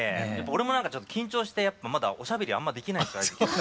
俺もなんかちょっと緊張してまだおしゃべりあんまできないぐらいです。